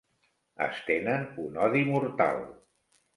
Es tenen un odi mortal.